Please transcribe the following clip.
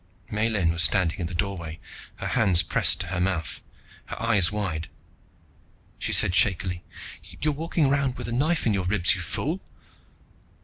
Miellyn was standing in the doorway, her hands pressed to her mouth, her eyes wide. She said shakily, "You're walking around with a knife in your ribs, you fool!"